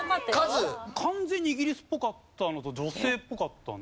完全にイギリスっぽかったのと女性っぽかったんで。